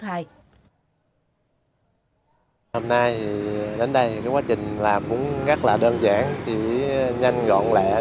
hôm nay đến đây quá trình làm cũng rất đơn giản nhanh gọn lẹ